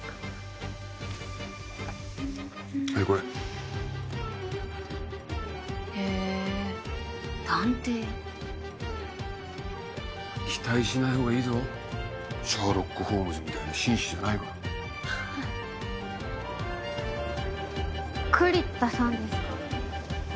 はいこれへぇ探偵期待しないほうがいいぞシャーロック・ホームズみたいな紳士じハハ栗田さんですか？